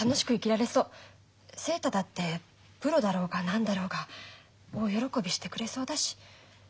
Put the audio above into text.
セーターだってプロだろうが何だろうが大喜びしてくれそうだし。